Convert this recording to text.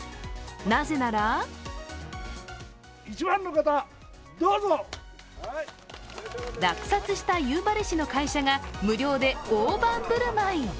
なぜなら落札した夕張市の会社が無料で大盤振る舞い。